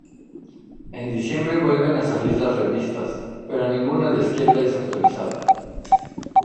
En diciembre vuelven a salir las revistas, pero ninguna de izquierda es autorizada.